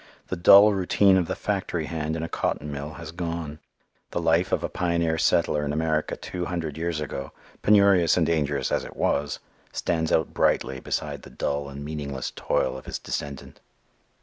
The dull routine of the factory hand in a cotton mill has gone. The life of a pioneer settler in America two hundred years ago, penurious and dangerous as it was, stands out brightly beside the dull and meaningless toil of his descendant.